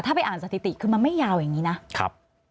ถ้าไปอ่านสถิติคือมันไม่ยาวอย่างนี้นะครับ